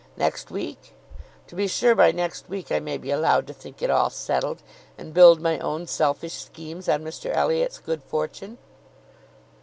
Next week? To be sure by next week I may be allowed to think it all settled, and build my own selfish schemes on Mr Elliot's good fortune."